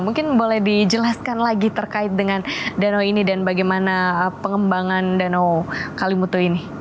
mungkin boleh dijelaskan lagi terkait dengan danau ini dan bagaimana pengembangan danau kalimutu ini